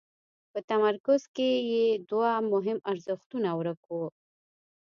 په تمرکز کې یې دوه مهم ارزښتونه ورک وو.